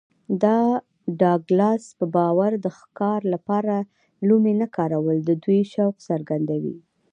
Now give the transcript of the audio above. د ډاګلاس په باور د ښکار لپاره لومې نه کارول د دوی شوق څرګندوي